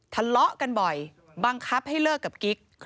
ทะเลาะกันบ่อยบังคับให้เลิกกับกิ๊ก